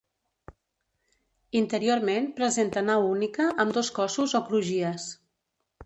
Interiorment presenta nau única amb dos cossos o crugies.